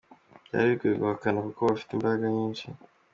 Byari bigoye guhakana kuko afite imbaraga nyinshi.